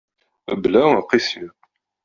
Mebla aqisi.